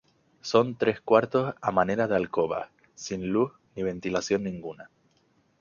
Son tres cuartos a manera de alcobas, sin luz ni ventilación ninguna.